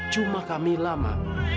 cuma kamilah ma